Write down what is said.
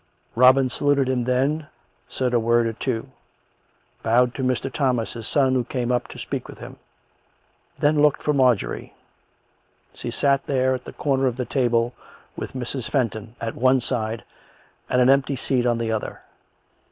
Robin saluted him then, and said a word or two; bowed to Mr. Thomas, his son, who came up to speak with him; and then looked for Marjorie. She sat there, at the corner of the table, with Mrs. Fenton at one side, and an empty seat on the other.